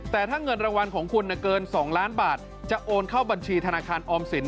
แต่ถ้าเงินรางวัลของคุณเกิน๒ล้านบาทจะโอนเข้าบัญชีธนาคารออมสิน